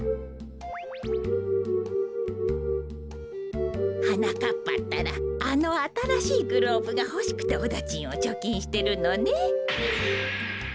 こころのこえはなかっぱったらあのあたらしいグローブがほしくておだちんをちょきんしてるのね。